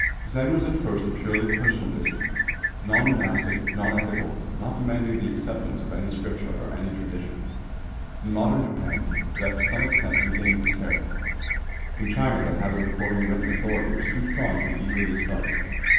Zen was at first a purely personal discipline, non monastic, non ethical, not demanding the acceptance of any Scripture or any tradition. In modern Japan it has to some extent regained this character. In China the habit of quoting written authority was too strong to be easily discarded.